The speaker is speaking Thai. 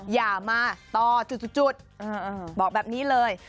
อย่ามาต่อจุดบอกแบบนี้เลย